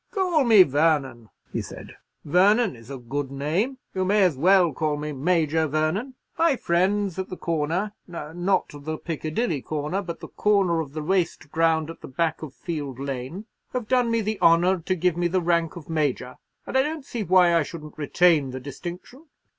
"Call me Vernon," he said: "Vernon is a good name. You may as well call me Major Vernon. My friends at the Corner—not the Piccadilly corner, but the corner of the waste ground at the back of Field Lane—have done me the honour to give me the rank of Major, and I don't see why I shouldn't retain the distinction.